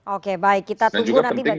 oke baik kita tunggu nanti pak gani